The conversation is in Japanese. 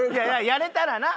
やれたらな！